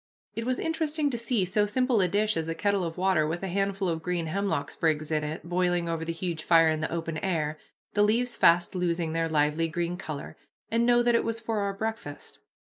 It was interesting to see so simple a dish as a kettle of water with a handful of green hemlock sprigs in it boiling over the huge fire in the open air, the leaves fast losing their lively green color, and know that it was for our breakfast.